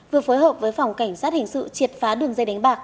vừa phối hợp với phòng cảnh sát hình sự triệt phá đường dây đánh bạc